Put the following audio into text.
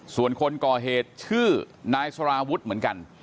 ส่วนคนก่อเหตุชื่อนายสาราวุฒิเหมือนกัน